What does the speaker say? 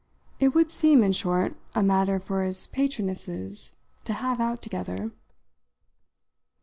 It would seem, in short, a matter for his patronesses to have out together.